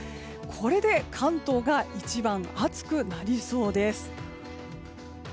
これで関東が一番暑くなりそうです。